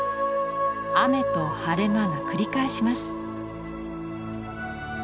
雨と晴れ間が繰り返します。